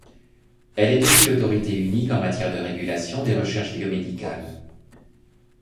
Elle est aussi l'autorité unique en matière de régulation des recherches biomédicales.